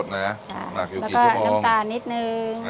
ซีอิ๊วซอสเครื่องปรุงรสนะหมักอยู่กี่ชั่วโมงแล้วก็น้ำตาลนิดนึง